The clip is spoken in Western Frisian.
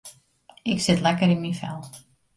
Ik sit lekker yn myn fel.